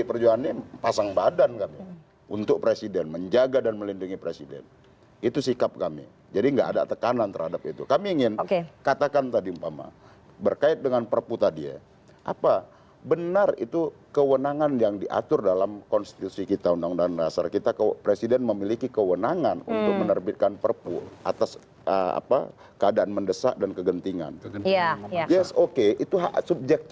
pertimbangan ini setelah melihat besarnya gelombang demonstrasi dan penolakan revisi undang undang kpk